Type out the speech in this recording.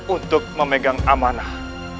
untuk memegang amanah